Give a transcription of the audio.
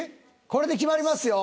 これで決まりますよ。